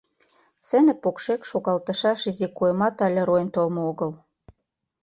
Сцене покшек шогалтышаш изи куэмат але руэн толмо огыл.